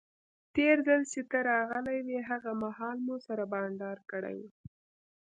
تیر ځل چې ته راغلی وې هغه مهال مو سره بانډار کړی وو.